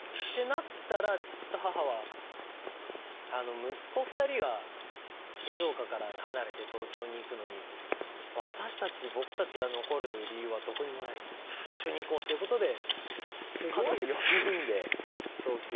なったら父と母は「息子２人が静岡から離れて東京に行くのに私たち僕たちが残る理由はどこにもない」「一緒に行こう」という事で家族４人で東京へ。